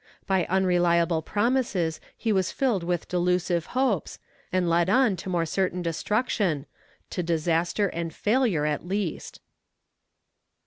By unreliable promises he was filled with delusive hopes, and lead on to more certain destruction to disaster and failure, at least.